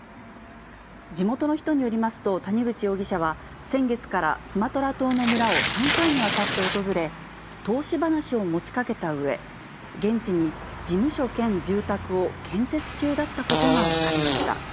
地元の人によりますと、谷口容疑者は、先月からスマトラ島の村を３回にわたって訪れ、投資話を持ちかけたうえ、現地に事務所兼住宅を建設中だったことが分かりました。